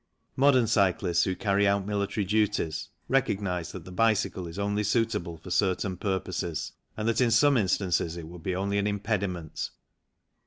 Modern cyclists who carry out military duties recognize that the bicycle is only suitable for certain purposes, and that in some instances it would be only an impedi ment.